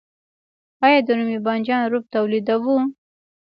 آیا د رومي بانجان رب تولیدوو؟